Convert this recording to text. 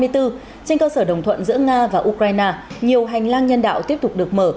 trên cơ sở đồng thuận giữa nga và ukraine nhiều hành lang nhân đạo tiếp tục được mở